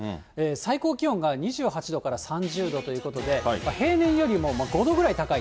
最高気温が２８度から３０度ということで、平年よりも５度ぐらい高い。